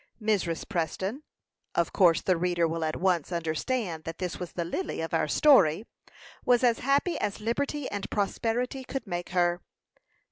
Mrs. Preston of course the reader will at once understand that this was the Lily of our story was as happy as liberty and prosperity could make her.